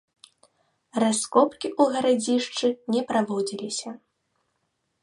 Раскопкі ў гарадзішчы не праводзіліся.